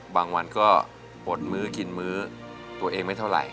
บางวันก็ปลดมื้อกินมื้อตัวเองไม่เท่าไหร